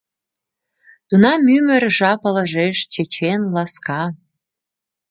Тунам ӱмыр жап ылыжеш чечен, ласка